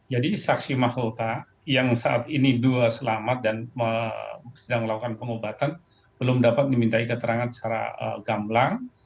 jadi saksi makhluk yang saat ini dua selamat dan sedang melakukan pengobatan belum dapat dimintai keterangan secara gamblang